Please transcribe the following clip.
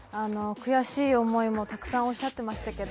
悔しい思いもたくさんおっしゃってましたけど